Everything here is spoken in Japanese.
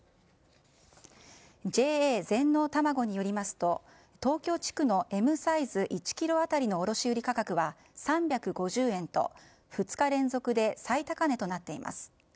ＪＡ全農たまごによりますと東京地区のＭサイズ１ｋｇ当たりの卸売価格は３５０円と、２日連続で最高値となっています。